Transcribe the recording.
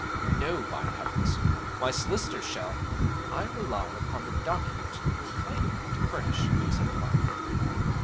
No, by heavens! my solicitor shall ' 'I rely upon the document you were kind enough to furnish,' he said quietly.